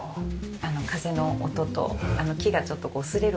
風の音と木がちょっと擦れる音が。